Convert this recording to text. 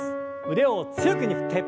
腕を強く振って。